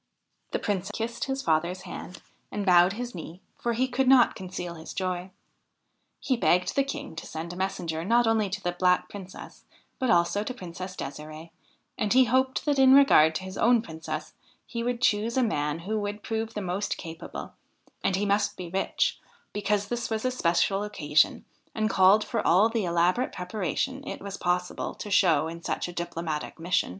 The Prince kissed his father's hand and bowed his knee, for he could not conceal his joy. He begged the King to send a messenger not only to the Black Princess but also to Princess Desiree ; and he hoped that in regard to his own Princess, he would choose a man who would prove the most capable ; and he must be rich, because this was a special occasion and called for all the elaborate preparation it was possible to show in such a diplomatic mission.